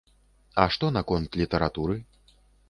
А што наконт літаратуры?